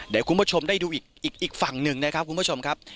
เดี๋ยวคุณผู้ชมได้ดูอีกฝั่งหนึ่งนะครับคุณผู้ชมครับ